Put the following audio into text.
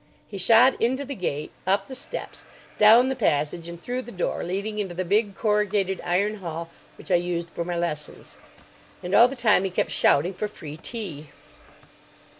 He shot into the gate, up the steps, down the passage, and through the door leading into the big corrugated iron hall which I used for my lessons. And all the time he kept shouting for free tea.